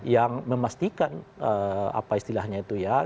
yang memastikan apa istilahnya itu ya